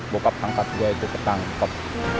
bokap angkat gue itu ketangkep